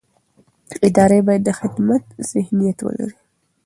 ادارې باید د خدمت ذهنیت ولري